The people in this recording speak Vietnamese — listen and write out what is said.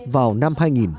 vào năm hai nghìn hai mươi